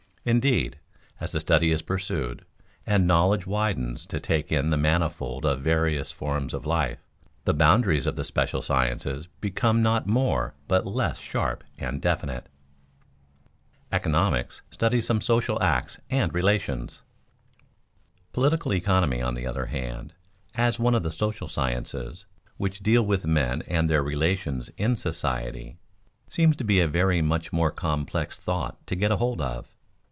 Indeed, as the study is pursued, and knowledge widens to take in the manifold and various forms of life, the boundaries of the special sciences become not more but less sharp and definite. [Sidenote: Economics studies some social acts and relations] Political economy, on the other hand, as one of the social sciences, which deal with men and their relations in society, seems to be a very much more complex thought to get hold of.